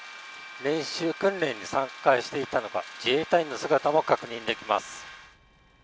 練習訓練に参加していたのか、自衛隊員の姿も確認できます。